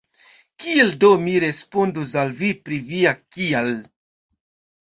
Kiel do mi respondus al vi pri via «kial»?